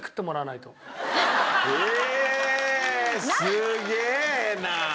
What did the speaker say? すげえな！